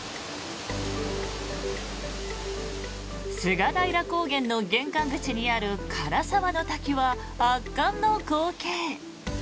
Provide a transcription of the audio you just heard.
菅平高原の玄関口にある唐沢の滝は圧巻の光景。